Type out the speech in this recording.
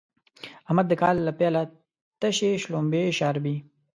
احمد د کال له پيله تشې شلومبې شاربي.